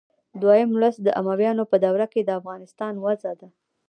دویم لوست د امویانو په دوره کې د افغانستان وضع ده.